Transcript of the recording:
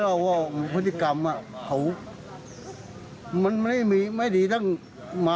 และพฤติกรรมก่อนหน้านี้เขาทำภาพพฤติตริยังไง